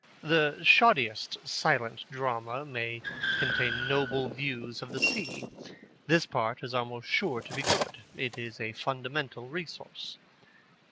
The shoddiest silent drama may contain noble views of the sea. This part is almost sure to be good. It is a fundamental resource.